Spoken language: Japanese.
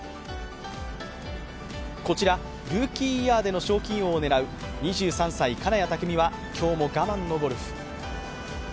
こちらルーキーイヤーでの賞金王を狙う２３歳、金谷拓実は今日も我慢のゴルフ。